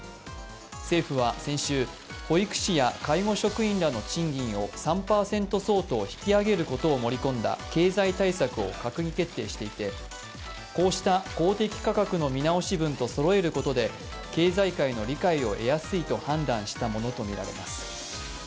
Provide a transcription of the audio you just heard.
政府は先週、保育士や介護職員らの賃金を３％相当引き上げることを盛り込んだ経済対策を閣議決定していて、こうした公的価格の見直し分とそろえることで経済界の理解を得やすいと判断したものとみられます。